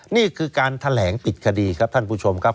นี่คือการแถลงปิดคดีครับท่านผู้ชมครับ